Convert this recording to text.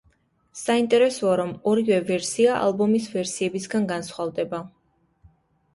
საინტერესოა, რომ ორივე ვერსია ალბომის ვერსიებისგან განსხვავდება.